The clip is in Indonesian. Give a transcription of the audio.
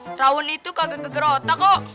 seraun itu kagak geger otak kok